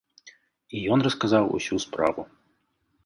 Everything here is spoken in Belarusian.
І ён расказаў усю справу.